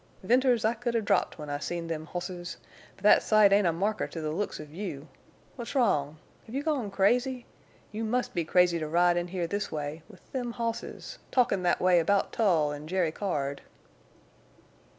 "Venters, I could hev dropped when I seen them hosses. But thet sight ain't a marker to the looks of you. What's wrong? Hev you gone crazy? You must be crazy to ride in here this way—with them hosses—talkie' thet way about Tull en' Jerry Card."